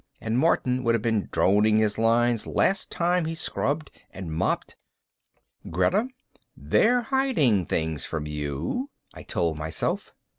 and Martin would have been droning his lines last time he scrubbed and mopped.... Greta, they're hiding things from you, I told myself.